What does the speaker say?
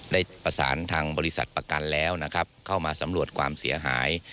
ได้ประสานทางบริษัทประกันแล้วนะครับเข้ามาสำรวจความเสียหาย